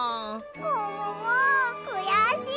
もももくやしい！